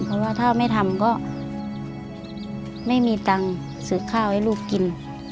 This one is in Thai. เพราะว่าถ้าไม่ทำก็ไม่มีตังค์ซื้อข้าวให้ลูกกิน